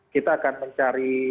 kita akan mencari